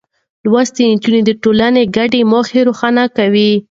لوستې نجونې د ټولنې ګډې موخې روښانه کوي.